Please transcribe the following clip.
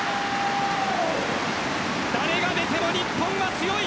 誰が出ても日本は強い。